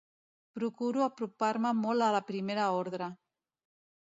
Procuro apropar-me molt a la Primera Ordre.